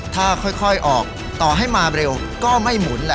ถ้าค่อยออกต่อให้มาเร็วก็ไม่หมุนแหละ